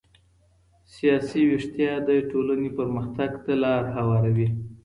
سياسي ويښتيا د ټولني پرمختګ ته لار هواروي.